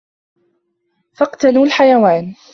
فَاقْتَنَوْا الْحَيَوَانَ